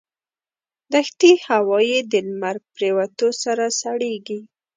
دښتي هوا یې د لمر پرېوتو سره سړېږي.